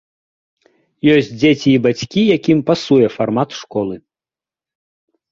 Ёсць дзеці і бацькі, якім пасуе фармат школы.